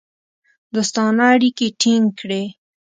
دوستانه اړیکې ټینګ کړې.